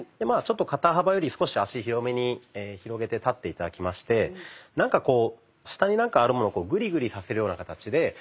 ちょっと肩幅より少し足広めに広げて立って頂きましてなんかこう下に何かあるものをグリグリさせるような形で。